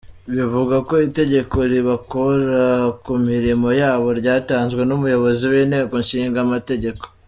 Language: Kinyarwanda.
Bivugwa ko itegeko ribakura ku mirimo yabo ryatanzwe n’Umuyobozi w’Inteko Ishinga Amategeko.